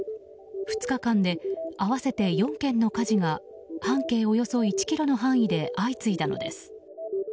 ２日間で合わせて４件の火事が半径およそ１ｋｍの範囲で相次いだのです。